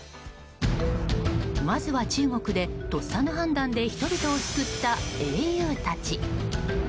まずは中国で、とっさの判断で人々を救った英雄たち。